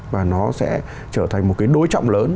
và nó sẽ trở thành một đối trọng lớn